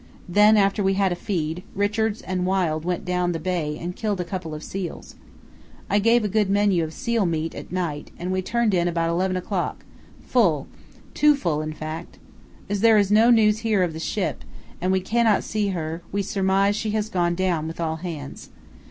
Then after we had had a feed, Richards and Wild went down the bay and killed a couple of seals. I gave a good menu of seal meat at night, and we turned in about 11 o'clock, full—too full, in fact. As there is no news here of the ship, and we cannot see her, we surmise she has gone down with all hands.